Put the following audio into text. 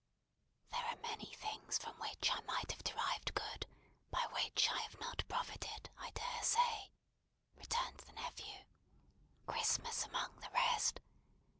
"There are many things from which I might have derived good, by which I have not profited, I dare say," returned the nephew. "Christmas among the rest.